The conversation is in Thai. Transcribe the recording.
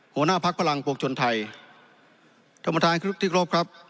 หัวหน้าภักดิ์พลังปกชนไทยท่านมาทางที่ที่ครบครับ